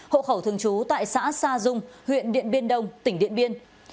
hộ khẩu thường trú tại xã sa dung huyện điện biên đông tỉnh điện biên